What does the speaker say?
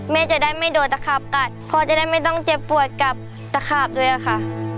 แม่จะได้ไม่โดดตะขาบกัดพ่อจะได้ไม่ต้องเจ็บปวดกับตะขาบด้วยค่ะ